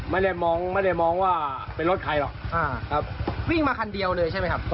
ไม่ได้มองไม่ได้มองว่าเป็นรถใครหรอกอ่าครับวิ่งมาคันเดียวเลยใช่ไหมครับ